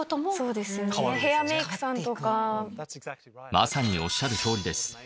まさにおっしゃる通りです。